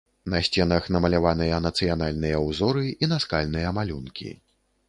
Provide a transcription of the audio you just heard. На сценах намаляваныя нацыянальныя ўзоры і наскальныя малюнкі.